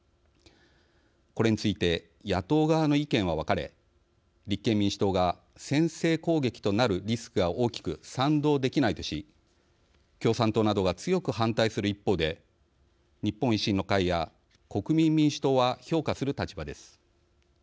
これについて野党側の意見は分かれ立憲民主党が先制攻撃となるリスクが大きく賛同できないとし共産党などが強く反対する一方で日本維新の会や国民民主党は評価する立場です。